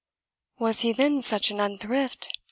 "Was he then such an unthrift?"